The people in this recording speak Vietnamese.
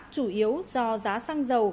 chủ yếu do giá xăng dầu